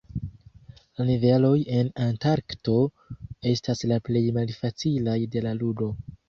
La niveloj en Antarkto estas la plej malfacilaj de la ludo.